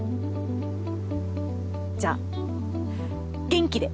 じゃあ元気で。